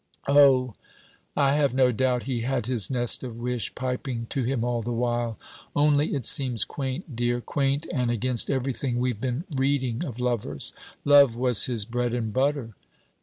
Oh! I have no doubt he had his nest of wish piping to him all the while: only it seems quaint, dear, quaint, and against everything we've been reading of lovers! Love was his bread and butter!'